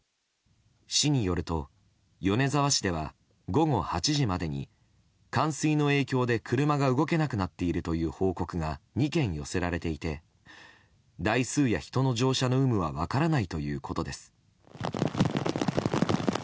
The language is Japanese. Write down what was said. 市によると米沢市では午後８時までに冠水の影響で車が動けなくなっているという報告が２件寄せられていて台数や人の乗車の有無は分からないということです。